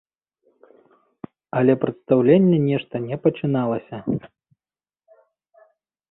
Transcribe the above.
Але прадстаўленне нешта не пачыналася.